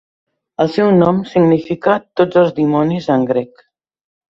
El seu nom significa "tots els dimonis" en grec.